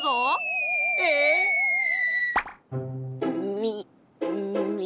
みみ。